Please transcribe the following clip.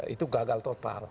itu gagal total